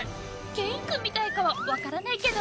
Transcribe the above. ケインくんみたいかはわからないけど。